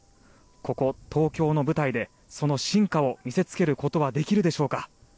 ここ東京の舞台でその真価を見せつけることはできるでしょうか。